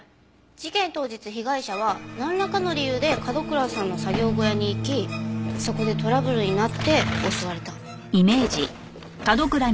事件当日被害者はなんらかの理由で角倉さんの作業小屋に行きそこでトラブルになって襲われた。